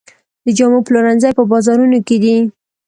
د جامو پلورنځي په بازارونو کې دي